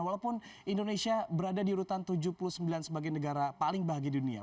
walaupun indonesia berada di urutan tujuh puluh sembilan sebagai negara paling bahagia di dunia